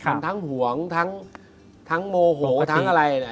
มันทั้งห่วงทั้งโมโหทั้งอะไร